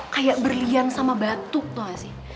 kayak berlian sama batuk tau gak sih